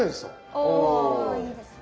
あいいですね。